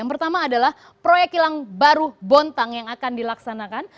yang pertama adalah proyek kilang baru bontang yang akan dilaksanakan